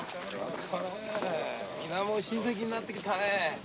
皆もう親戚になってきたね。